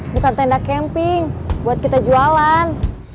bukan tenda camping buat kita jualan